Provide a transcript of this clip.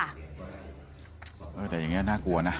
แต่อย่างนี้น่ากลัวนะ